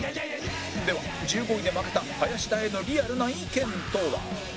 では１５位で負けた林田へのリアルな意見とは？